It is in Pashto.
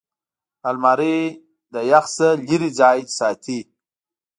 الماري د یخ نه لېرې ځای ساتي